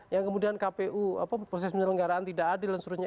yang kemudian kpu proses penyelenggaraan tidak adil dan sebagainya